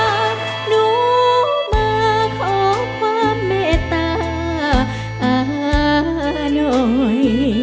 หนูมาขอความเมตตาหน่อย